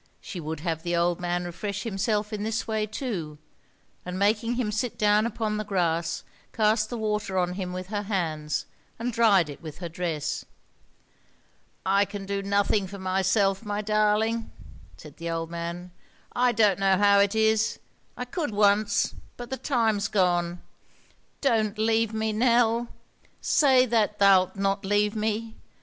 She would have the old man refresh himself in this way too; and making him sit down upon the grass, cast the water on him with her hands, and dried it with her dress. "I can do nothing for myself, my darling," said the old man. "I don't know how it is; I could once, but the time's gone. Don't leave me, Nell; say that thou'lt not leave me.